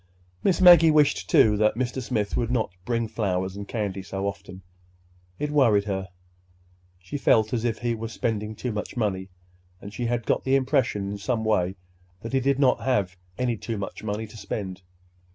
Miss Maggie wished, too, that Mr. Smith would not bring flowers and candy so often. It worried her. She felt as if he were spending too much money—and she had got the impression in some way that he did not have any too much money to spend.